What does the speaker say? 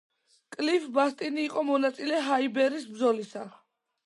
კლიფ ბასტინი იყო მონაწილე ჰაიბერის ბრძოლისა.